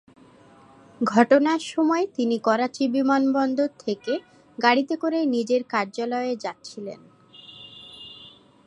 ঘটনার সময় তিনি করাচি বিমানবন্দর থেকে গাড়িতে করে নিজের কার্যালয়ে যাচ্ছিলেন।